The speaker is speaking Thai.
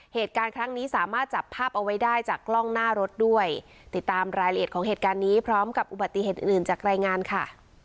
เหตุการณ์ครั้งนี้สามารถจับภาพเอาไว้ได้จากกล้องหน้ารถด้วยติดตามรายละเอียดของเหตุการณ์นี้พร้อมกับอุบัติเหตุอื่นอื่นจากรายงานค่ะ